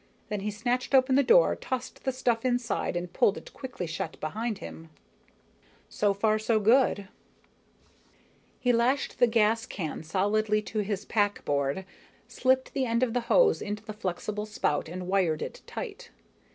Then he snatched open the door, tossed the stuff inside, and pulled it quickly shut behind him. So far, good enough. He lashed the gas can solidly to his packboard, slipped the end of the hose into the flexible spout and wired it tight.